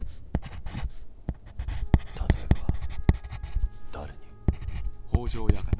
例えば誰に。